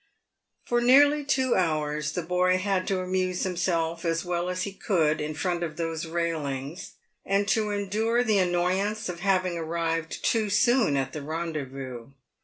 • Por nearly two hours the boy had to amuse himself as well as he could in front of those railings, and to endure the annoyance of having arrived too soon at the rendezvous.